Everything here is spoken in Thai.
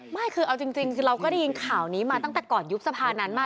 ไม่คือเอาจริงคือเราก็ได้ยินข่าวนี้มาตั้งแต่ก่อนยุบสภานั้นมา